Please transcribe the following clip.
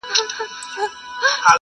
• ځئ چي باطل پسي د عدل زولنې و باسو..